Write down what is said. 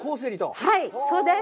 はい、そうです。